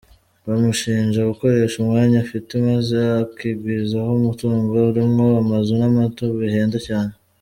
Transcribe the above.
Bamushinja gukoresha umwanya afite maze akigwizaho umutungo urimwo amazu n'amato bihenda cyane.